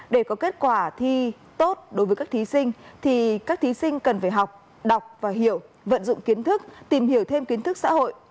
để có kết quả thi tốt đối với các thí sinh thì các thí sinh cần phải học đọc và hiểu vận dụng kiến thức tìm hiểu thêm kiến thức xã hội